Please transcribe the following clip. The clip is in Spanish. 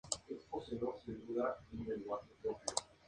Su puesto habitual era marcador de punta izquierdo.